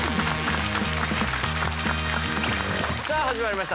さあ始まりました